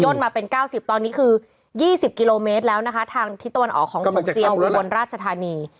ย่นมาเป็นเก้าสิบตอนนี้คือยี่สิบกิโลเมตรแล้วนะคะทางที่ต้นออกของของเจียมบนราชธานี